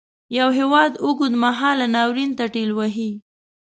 یو هیواد اوږد مهالي ناورین ته ټېل وهي.